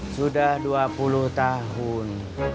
sudah dua puluh tahun